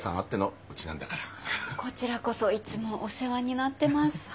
こちらこそいつもお世話になってます。